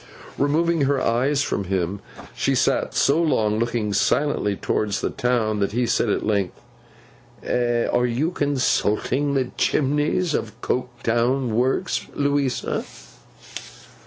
Removing her eyes from him, she sat so long looking silently towards the town, that he said, at length: 'Are you consulting the chimneys of the Coketown works, Louisa?